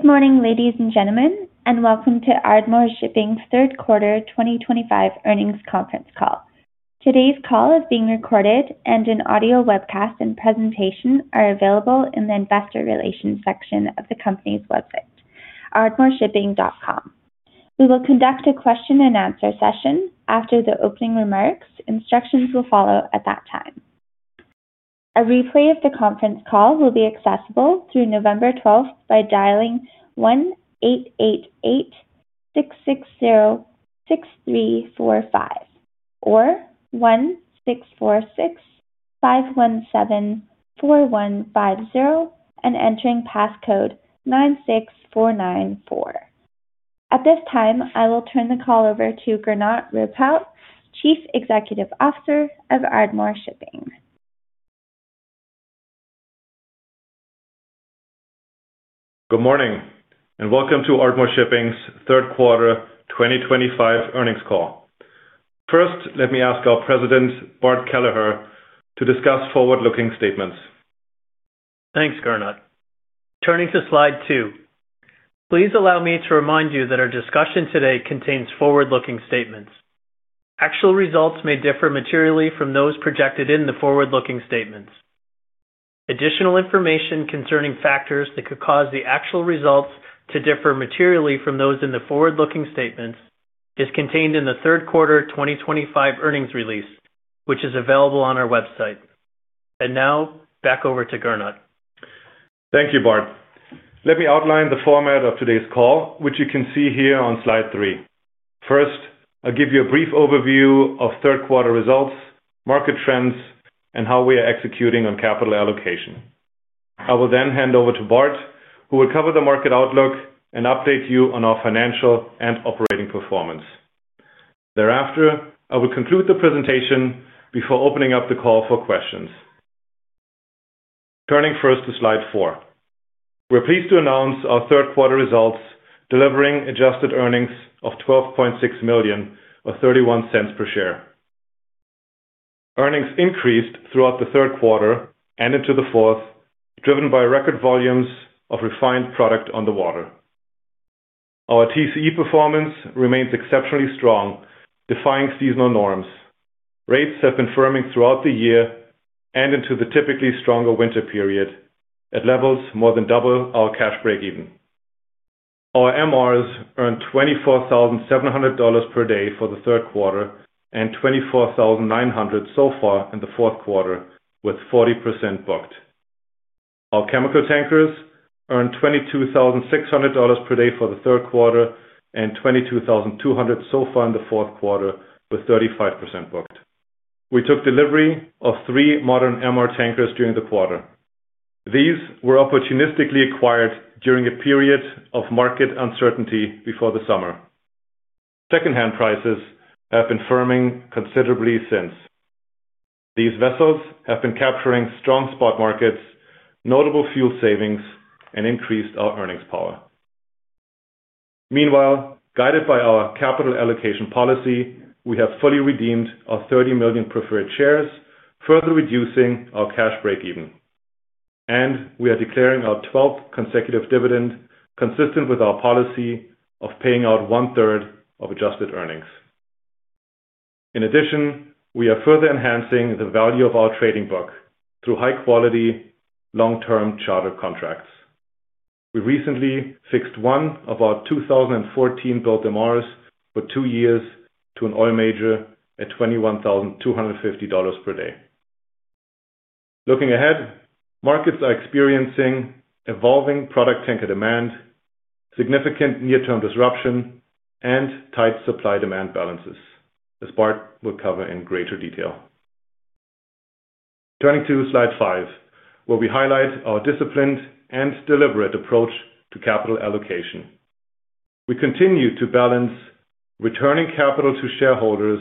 Good morning, ladies and gentlemen, and welcome to Ardmore Shipping's third quarter 2025 earnings conference call. Today's call is being recorded, and an audio webcast and presentation are available in the investor relations section of the company's website, ardmoreshipping.com. We will conduct a question-and-answer session after the opening remarks. Instructions will follow at that time. A replay of the conference call will be accessible through November 12th by dialing 1-888-660-6345 or 1-646-517-4150 and entering passcode 96494. At this time, I will turn the call over to Gernot Ruppelt, Chief Executive Officer of Ardmore Shipping. Good morning, and welcome to Ardmore Shipping's third quarter 2025 earnings call. First, let me ask our President, Bart Kelleher, to discuss forward-looking statements. Thanks, Gernot. Turning to slide two. Please allow me to remind you that our discussion today contains forward-looking statements. Actual results may differ materially from those projected in the forward-looking statements. Additional information concerning factors that could cause the actual results to differ materially from those in the forward-looking statements is contained in the third quarter 2025 earnings release, which is available on our website. Now, back over to Gernot. Thank you, Bart. Let me outline the format of today's call, which you can see here on slide three. First, I'll give you a brief overview of third quarter results, market trends, and how we are executing on capital allocation. I will then hand over to Bart, who will cover the market outlook and update you on our financial and operating performance. Thereafter, I will conclude the presentation before opening up the call for questions. Turning first to slide four. We're pleased to announce our third quarter results, delivering adjusted earnings of $12.6 million or $0.31 per share. Earnings increased throughout the third quarter and into the fourth, driven by record volumes of refined product on the water. Our TCE performance remains exceptionally strong, defying seasonal norms. Rates have been firming throughout the year and into the typically stronger winter period at levels more than double our cash break-even. Our MRs earned $24,700 per day for the third quarter and $24,900 so far in the fourth quarter, with 40% booked. Our chemical tankers earned $22,600 per day for the third quarter and $22,200 so far in the fourth quarter, with 35% booked. We took delivery of three modern MR tankers during the quarter. These were opportunistically acquired during a period of market uncertainty before the summer. Second-hand prices have been firming considerably since. These vessels have been capturing strong spot markets, notable fuel savings, and increased our earnings power. Meanwhile, guided by our capital allocation policy, we have fully redeemed our $30 million preferred shares, further reducing our cash break-even. We are declaring our 12th consecutive dividend, consistent with our policy of paying out 1/3 of adjusted earnings. In addition, we are further enhancing the value of our trading book through high-quality, long-term chartered contracts. We recently fixed one of our 2014-built MRs for two years to an oil major at $21,250 per day. Looking ahead, markets are experiencing evolving product tanker demand, significant near-term disruption, and tight supply-demand balances, as Bart will cover in greater detail. Turning to slide five, where we highlight our disciplined and deliberate approach to capital allocation. We continue to balance returning capital to shareholders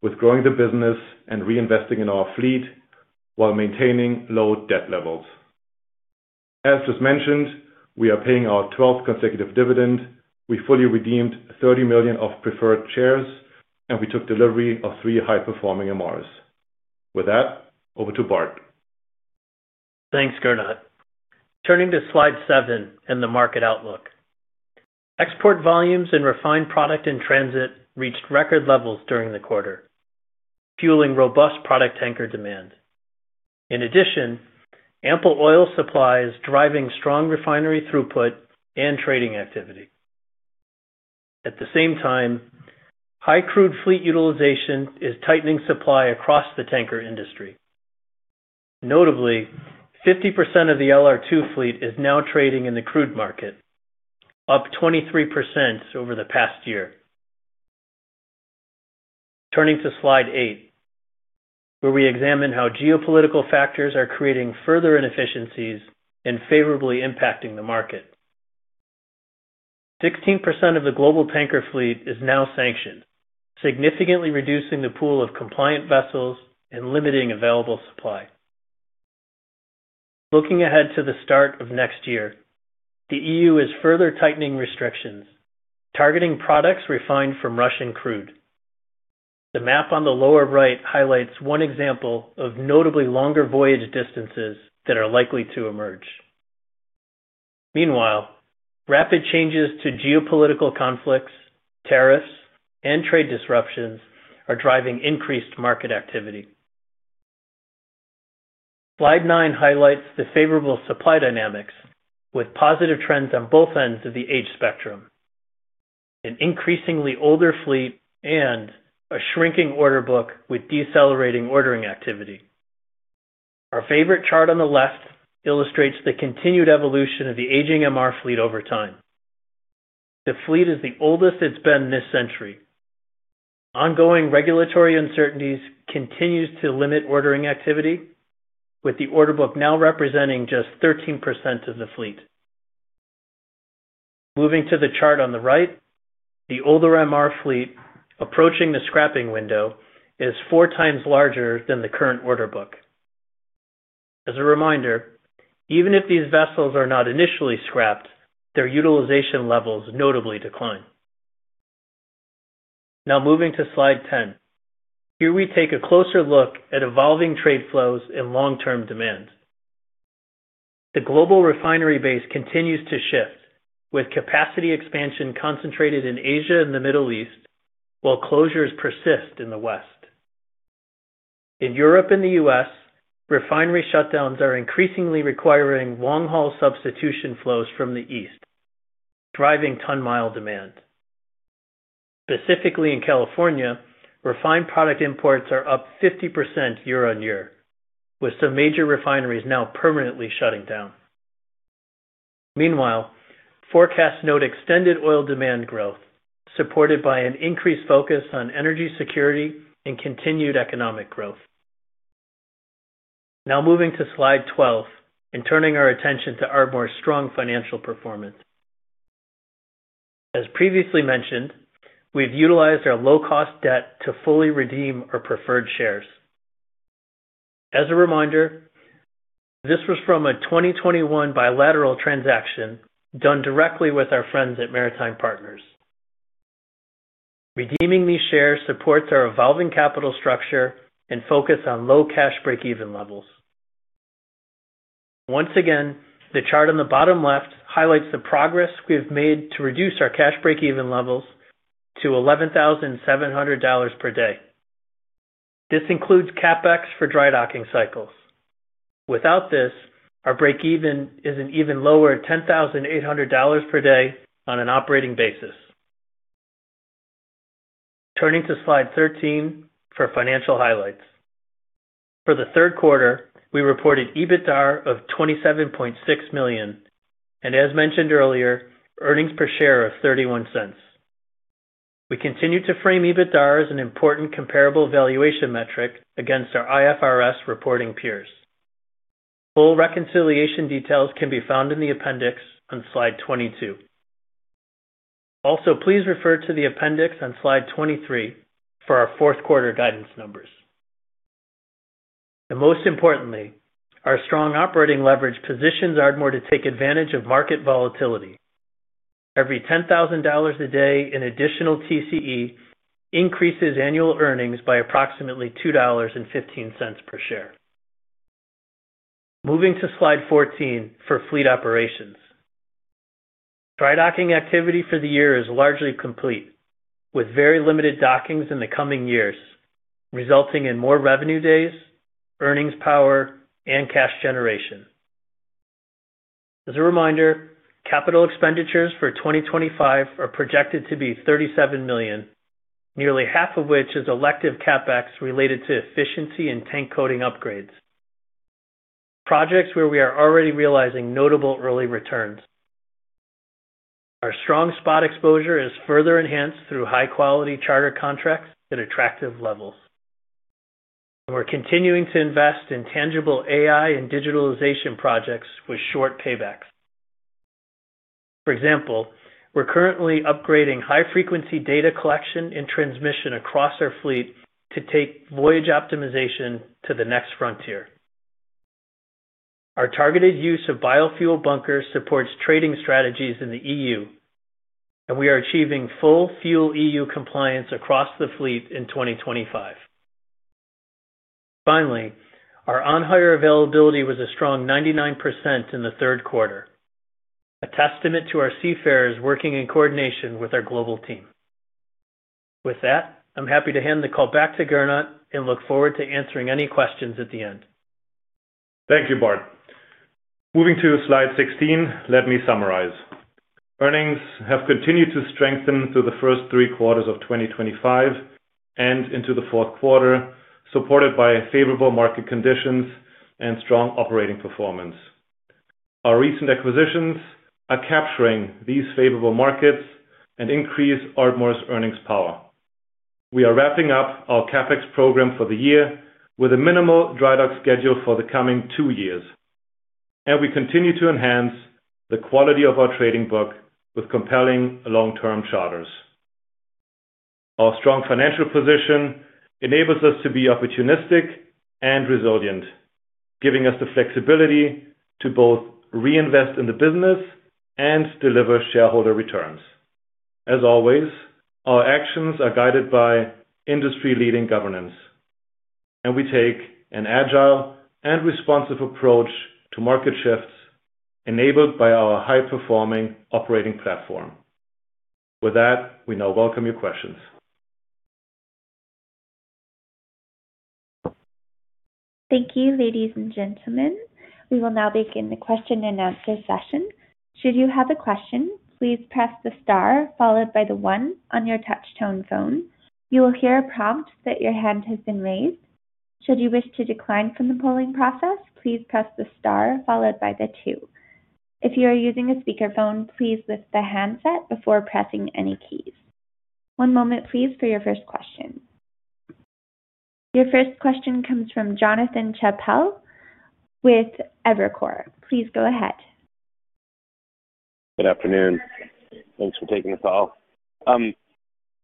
with growing the business and reinvesting in our fleet while maintaining low debt levels. As just mentioned, we are paying our 12th consecutive dividend. We fully redeemed $30 million of preferred shares, and we took delivery of three high-performing MRs. With that, over to Bart. Thanks, Gernot. Turning to slide seven and the market outlook. Export volumes in refined product and transit reached record levels during the quarter, fueling robust product tanker demand. In addition, ample oil supply is driving strong refinery throughput and trading activity. At the same time, high crude fleet utilization is tightening supply across the tanker industry. Notably, 50% of the LR2 fleet is now trading in the crude market, up 23% over the past year. Turning to slide eight, where we examine how geopolitical factors are creating further inefficiencies and favorably impacting the market. 16% of the global tanker fleet is now sanctioned, significantly reducing the pool of compliant vessels and limiting available supply. Looking ahead to the start of next year, the EU is further tightening restrictions, targeting products refined from Russian crude. The map on the lower right highlights one example of notably longer voyage distances that are likely to emerge. Meanwhile, rapid changes to geopolitical conflicts, tariffs, and trade disruptions are driving increased market activity. Slide nine highlights the favorable supply dynamics, with positive trends on both ends of the age spectrum. An increasingly older fleet and a shrinking order book with decelerating ordering activity. Our [favorite] chart on the left illustrates the continued evolution of the aging MR fleet over time. The fleet is the oldest it's been this century. Ongoing regulatory uncertainties continue to limit ordering activity, with the order book now representing just 13% of the fleet. Moving to the chart on the right, the older MR fleet, approaching the scrapping window, is 4x larger than the current order book. As a reminder, even if these vessels are not initially scrapped, their utilization levels notably decline. Now moving to slide ten. Here we take a closer look at evolving trade flows and long-term demand. The global refinery base continues to shift, with capacity expansion concentrated in Asia and the Middle East, while closures persist in the West. In Europe and the U.S., refinery shutdowns are increasingly requiring long-haul substitution flows from the East, driving ton-mile demand. Specifically in California, refined product imports are up 50% year-on-year, with some major refineries now permanently shutting down. Meanwhile, forecasts note extended oil demand growth, supported by an increased focus on energy security and continued economic growth. Now moving to slide 12 and turning our attention to Ardmore's strong financial performance. As previously mentioned, we've utilized our low-cost debt to fully redeem our preferred shares. As a reminder, this was from a 2021 bilateral transaction done directly with our friends at Maritime Partners. Redeeming these shares supports our evolving capital structure and focus on low cash break-even levels. Once again, the chart on the bottom left highlights the progress we have made to reduce our cash break-even levels to $11,700 per day. This includes CapEx for dry docking cycles. Without this, our break-even is an even lower $10,800 per day on an operating basis. Turning to slide thirteen for financial highlights. For the third quarter, we reported EBITDA of $27.6 million, and as mentioned earlier, earnings per share of $0.31. We continue to frame EBITDA as an important comparable valuation metric against our IFRS reporting peers. Full reconciliation details can be found in the appendix on slide 22. Please refer to the appendix on slide 23 for our fourth quarter guidance numbers. Most importantly, our strong operating leverage positions Ardmore Shipping to take advantage of market volatility. Every $10,000 a day in additional TCE increases annual earnings by approximately $2.15 per share. Moving to slide 14 for fleet operations. Dry docking activity for the year is largely complete, with very limited dockings in the coming years, resulting in more revenue days, earnings power, and cash generation. As a reminder, capital expenditures for 2025 are projected to be $37 million, nearly half of which is elective CapEx related to efficiency and tank coating upgrades. Projects where we are already realizing notable early returns. Our strong spot exposure is further enhanced through high-quality chartered contracts at attractive levels. We are continuing to invest in tangible AI and digitalization projects with short paybacks. For example, we are currently upgrading high-frequency data collection and transmission across our fleet to take voyage optimization to the next frontier. Our targeted use of biofuel bunkers supports trading strategies in the EU. We are achieving full fuel EU compliance across the fleet in 2025. Finally, our on-hire availability was a strong 99% in the third quarter. A testament to our seafarers working in coordination with our global team. With that, I'm happy to hand the call back to Gernot and look forward to answering any questions at the end. Thank you, Bart. Moving to slide sixteen, let me summarize. Earnings have continued to strengthen through the first three quarters of 2025 and into the fourth quarter, supported by favorable market conditions and strong operating performance. Our recent acquisitions are capturing these favorable markets and increase Ardmore's earnings power. We are wrapping up our CapEx program for the year with a minimal dry dock schedule for the coming two years. We continue to enhance the quality of our trading book with compelling long-term charters. Our strong financial position enables us to be opportunistic and resilient, giving us the flexibility to both reinvest in the business and deliver shareholder returns. As always, our actions are guided by industry-leading governance. We take an agile and responsive approach to market shifts enabled by our high-performing operating platform. With that, we now welcome your questions. Thank you, ladies and gentlemen. We will now begin the question and answer session. Should you have a question, please press the star followed by the one on your touch-tone phone. You will hear a prompt that your hand has been raised. Should you wish to decline from the polling process, please press the star followed by the two. If you are using a speakerphone, please lift the handset before pressing any keys. One moment, please, for your first question. Your first question comes from Jonathan Chappell with Evercore. Please go ahead. Good afternoon. Thanks for taking this call.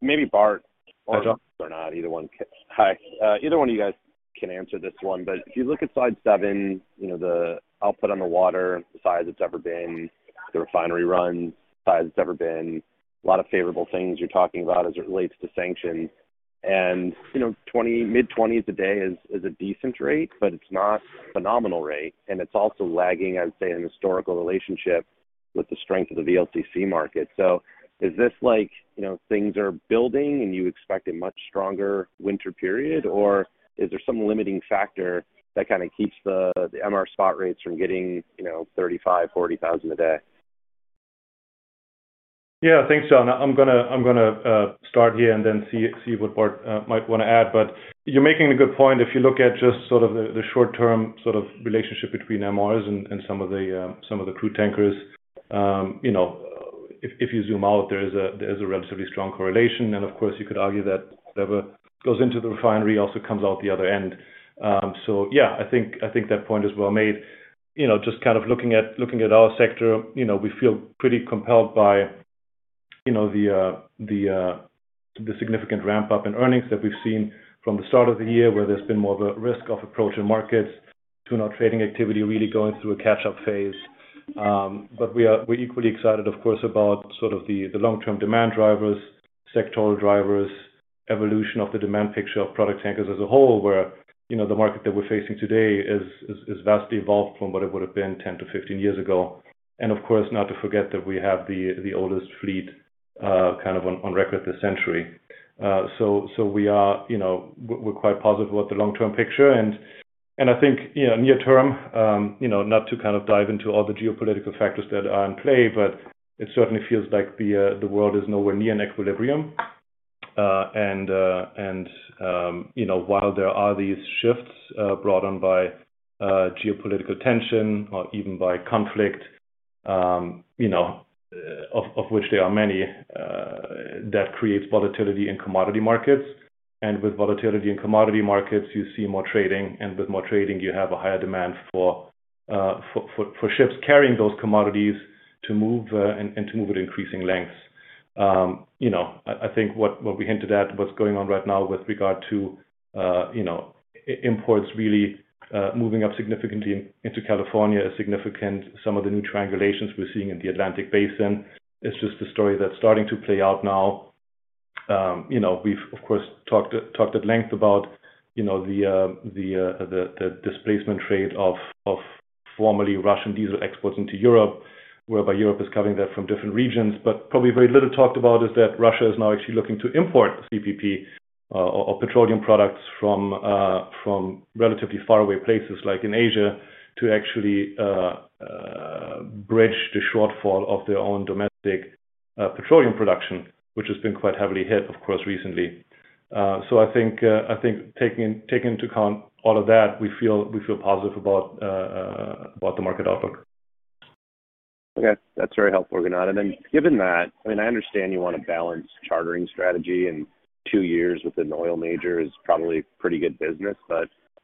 Maybe Bart or Gernot. Hi. Either one of you guys can answer this one. If you look at slide seven, you know the output on the water, the size it has ever been, the refinery runs, the size it has ever been, a lot of favorable things you are talking about as it relates to sanctions. Mid-20s a day is a decent rate, but it is not a phenomenal rate. It is also lagging, I would say, in historical relationship with the strength of the VLCC market. Is this like things are building and you expect a much stronger winter period, or is there some limiting factor that kind of keeps the MR spot rates from getting $35,000-$40,000 a day? Yeah, I think so. I'm going to start here and then see what Bart might want to add. You're making a good point. If you look at just sort of the short-term sort of relationship between MRs and some of the crude tankers, if you zoom out, there is a relatively strong correlation. Of course, you could argue that whatever goes into the refinery also comes out the other end. Yeah, I think that point is well made. Just kind of looking at our sector, we feel pretty compelled by the significant ramp-up in earnings that we've seen from the start of the year, where there's been more of a risk of approaching markets, tuning out trading activity, really going through a catch-up phase. We're equally excited, of course, about sort of the long-term demand drivers, sectoral drivers, evolution of the demand picture of product tankers as a whole, where the market that we're facing today is vastly evolved from what it would have been 10-15 years ago. Of course, not to forget that we have the oldest fleet kind of on record this century. We're quite positive about the long-term picture. I think near term, not to kind of dive into all the geopolitical factors that are in play, but it certainly feels like the world is nowhere near an equilibrium. While there are these shifts brought on by geopolitical tension or even by conflict, of which there are many, that creates volatility in commodity markets. With volatility in commodity markets, you see more trading. With more trading, you have a higher demand for. Ships carrying those commodities to move and to move at increasing lengths. I think what we hinted at, what's going on right now with regard to imports really moving up significantly into California, a significant some of the new triangulations we're seeing in the Atlantic Basin. It's just the story that's starting to play out now. We've, of course, talked at length about the displacement trade of formerly Russian diesel exports into Europe, whereby Europe is covering that from different regions. Probably very little talked about is that Russia is now actually looking to import CPP or petroleum products from relatively faraway places like in Asia to actually bridge the shortfall of their own domestic petroleum production, which has been quite heavily hit, of course, recently. I think taking into account all of that, we feel positive about the market outlook. Okay. That's very helpful, Gernot. Given that, I mean, I understand you want a balanced chartering strategy, and two years with an oil major is probably pretty good business.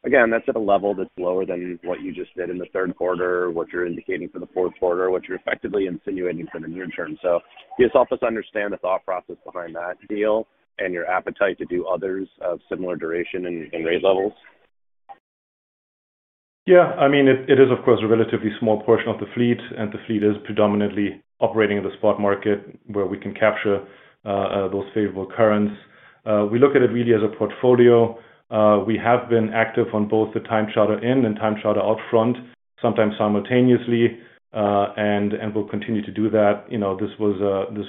Again, that's at a level that's lower than what you just did in the third quarter, what you're indicating for the fourth quarter, what you're effectively insinuating for the near term. Can you help us understand the thought process behind that deal and your appetite to do others of similar duration and rate levels? Yeah. I mean, it is, of course, a relatively small portion of the fleet, and the fleet is predominantly operating in the spot market, where we can capture those favorable currents. We look at it really as a portfolio. We have been active on both the time charter in and time charter out front, sometimes simultaneously. We'll continue to do that. This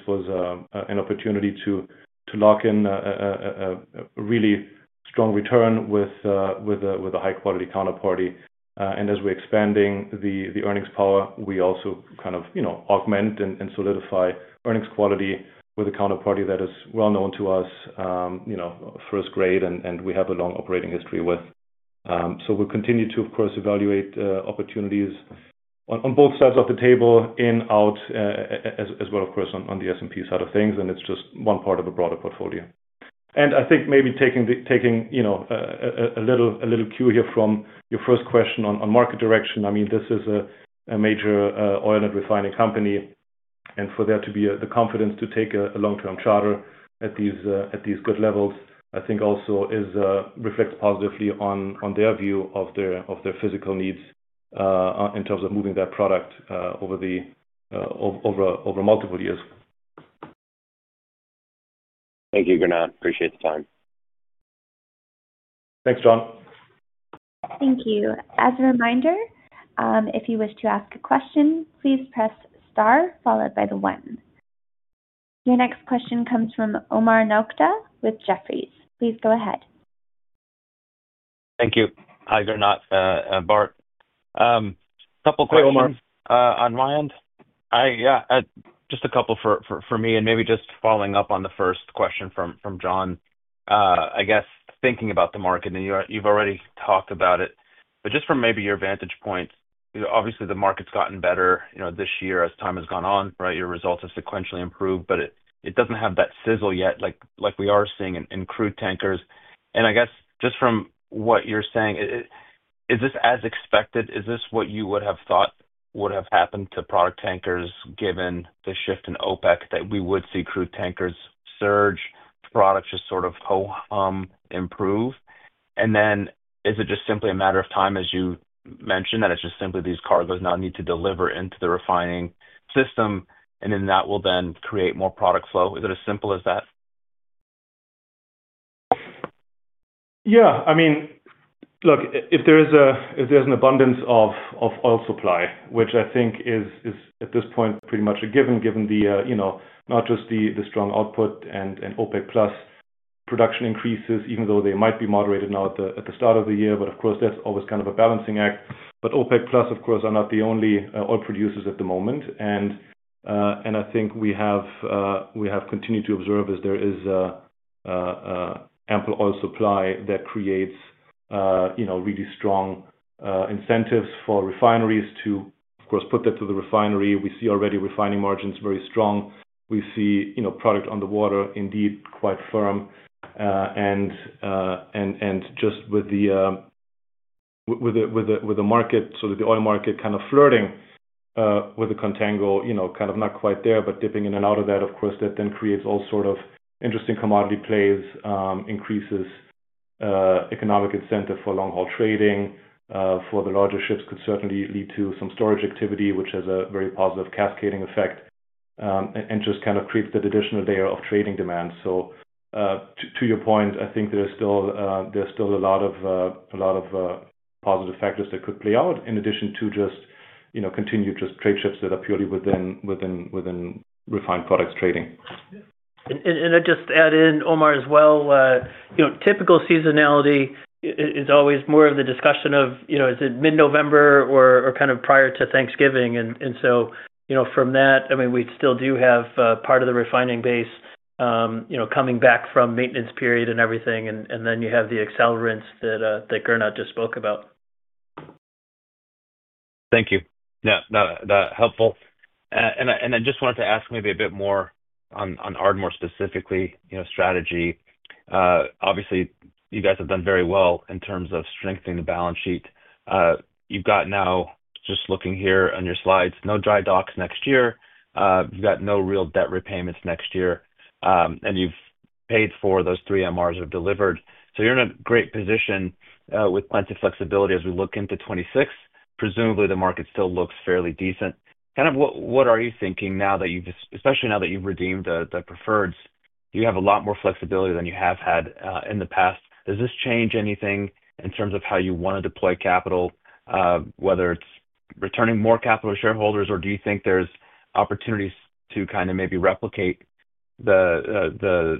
was an opportunity to lock in a really strong return with a high-quality counterparty. As we're expanding the earnings power, we also kind of augment and solidify earnings quality with a counterparty that is well known to us, first grade, and we have a long operating history with. We'll continue to, of course, evaluate opportunities on both sides of the table, in, out, as well, of course, on the S&P side of things. It's just one part of a broader portfolio. I think maybe taking a little cue here from your first question on market direction. I mean, this is a major oil and refining company. For there to be the confidence to take a long-term charter at these good levels, I think also reflects positively on their view of their physical needs in terms of moving that product over multiple years. Thank you, Gernot. Appreciate the time. Thanks, John. Thank you. As a reminder, if you wish to ask a question, please press star followed by the one. Your next question comes from Omar Nokta with Jefferies. Please go ahead. Thank you. Hi, Gernot. Bart. Couple of questions on my end. Hi, Omar. Hi. Yeah. Just a couple for me and maybe just following up on the first question from John. I guess thinking about the market, and you've already talked about it. Just from maybe your vantage point, obviously the market's gotten better this year as time has gone on, right? Your results have sequentially improved, but it does not have that sizzle yet like we are seeing in crude tankers. I guess just from what you're saying, is this as expected? Is this what you would have thought would have happened to product tankers given the shift in OPEC, that we would see crude tankers surge, products just sort of ho-hum improve? Is it just simply a matter of time, as you mentioned, that it's just simply these cargoes now need to deliver into the refining system, and then that will then create more product flow? Is it as simple as that? Yeah. I mean, look, if there's an abundance of oil supply, which I think is at this point pretty much a given, given not just the strong output and OPEC+ production increases, even though they might be moderated now at the start of the year. Of course, that's always kind of a balancing act. OPEC+, of course, are not the only oil producers at the moment. I think we have continued to observe as there is ample oil supply that creates really strong incentives for refineries to, of course, put that to the refinery. We see already refining margins very strong. We see product on the water, indeed, quite firm. Just with the market, sort of the oil market kind of flirting with the contango, kind of not quite there, but dipping in and out of that. Of course, that then creates all sort of interesting commodity plays, increases economic incentive for long-haul trading. For the larger ships, could certainly lead to some storage activity, which has a very positive cascading effect. It just kind of creates that additional layer of trading demand. To your point, I think there's still a lot of positive factors that could play out in addition to just continued trade ships that are purely within refined products trading. I'll just add in, Omar, as well. Typical seasonality is always more of the discussion of, is it mid-November or kind of prior to Thanksgiving? From that, I mean, we still do have part of the refining base coming back from maintenance period and everything. Then you have the accelerants that Gernot just spoke about. Thank you. Yeah. Helpful. I just wanted to ask maybe a bit more on Ardmore specifically, strategy. Obviously, you guys have done very well in terms of strengthening the balance sheet. You've got now, just looking here on your slides, no dry docks next year. You've got no real debt repayments next year. You've paid for those three MRs that have delivered. You're in a great position with plenty of flexibility as we look into 2026. Presumably, the market still looks fairly decent. Kind of what are you thinking now that you've, especially now that you've redeemed the preferreds, you have a lot more flexibility than you have had in the past? Does this change anything in terms of how you want to deploy capital, whether it's returning more capital to shareholders, or do you think there's opportunities to kind of maybe replicate the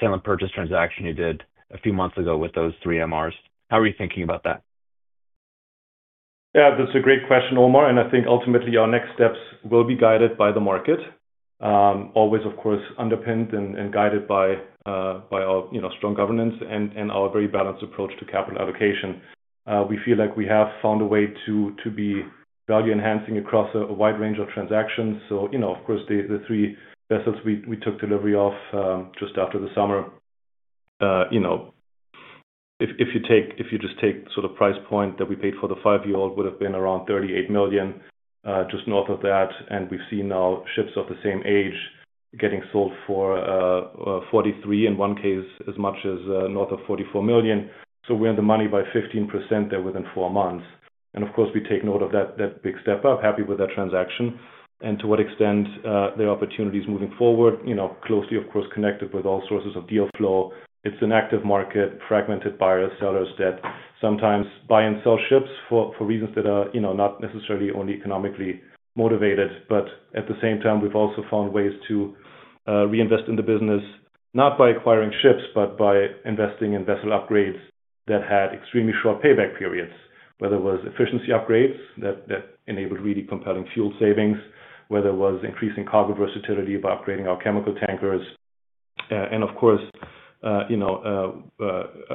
sale and purchase transaction you did a few months ago with those three MRs? How are you thinking about that? Yeah, that's a great question, Omar. I think ultimately our next steps will be guided by the market. Always, of course, underpinned and guided by our strong governance and our very balanced approach to capital allocation. We feel like we have found a way to be value-enhancing across a wide range of transactions. The three vessels we took delivery of just after the summer, if you just take sort of price point that we paid for the five-year-old, would have been around $38 million, just north of that. We have seen now ships of the same age getting sold for $43 million in one case, as much as north of $44 million. We are in the money by 15% there within four months. We take note of that big step up, happy with that transaction. To what extent there are opportunities moving forward, closely, of course, connected with all sources of deal flow. It is an active market, fragmented buyers, sellers that sometimes buy and sell ships for reasons that are not necessarily only economically motivated. At the same time, we have also found ways to reinvest in the business, not by acquiring ships, but by investing in vessel upgrades that had extremely short payback periods, whether it was efficiency upgrades that enabled really compelling fuel savings, whether it was increasing cargo versatility by upgrading our chemical tankers. Of course,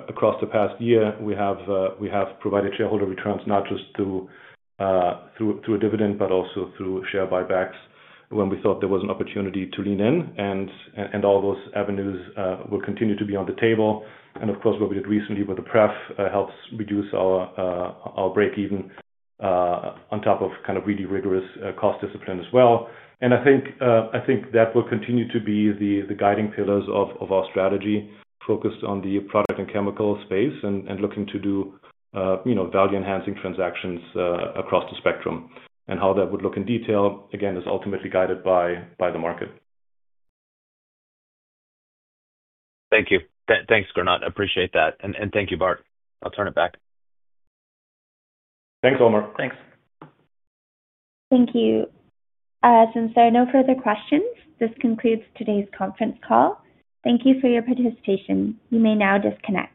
across the past year, we have provided shareholder returns not just through a dividend, but also through share buybacks when we thought there was an opportunity to lean in. All those avenues will continue to be on the table. What we did recently with the pref helps reduce our break-even. On top of kind of really rigorous cost discipline as well. I think that will continue to be the guiding pillars of our strategy focused on the product and chemical space and looking to do value-enhancing transactions across the spectrum. How that would look in detail, again, is ultimately guided by the market. Thank you. Thanks, Gernot. Appreciate that. Thank you, Bart. I'll turn it back. Thanks, Omar. Thanks. Thank you. As I said, no further questions. This concludes today's conference call. Thank you for your participation. You may now disconnect.